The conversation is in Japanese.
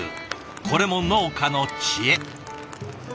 これも農家の知恵。